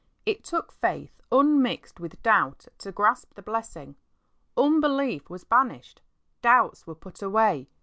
It took faith unmixed with doubt to grasp the blessing. Unbelief was banished. Doubts were put away.